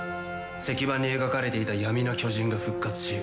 石板に描かれていた闇の巨人が復活し。